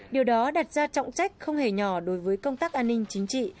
điều đó đặt ra trọng trách không hề nhỏ đối với công tác an ninh chính trị